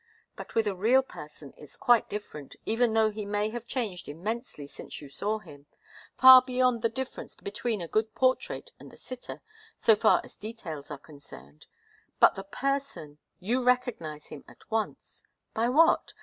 But with a real person it's quite different, even though he may have changed immensely since you saw him far beyond the difference between a good portrait and the sitter, so far as details are concerned. But the person you recognize him at once. By what?